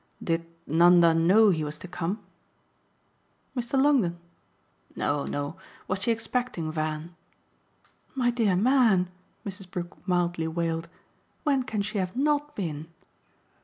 "Did Nanda know he was to come?" "Mr. Longdon?" "No, no. Was she expecting Van ?" "My dear man," Mrs. Brook mildly wailed, "when can she have NOT been?"